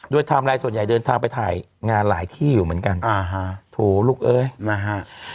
ไทม์ไลน์ส่วนใหญ่เดินทางไปถ่ายงานหลายที่อยู่เหมือนกันอ่าฮะโถลูกเอ้ยนะฮะ